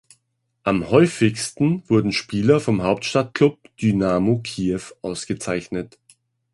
Am häufigsten wurden Spieler vom Hauptstadtclub Dynamo Kiew ausgezeichnet.